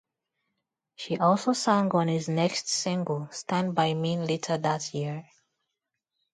She also sang on his next single "Stand By Me" later that year.